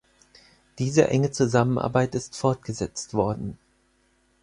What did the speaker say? Diese enge Zusammenarbeit ist fortgesetzt worden.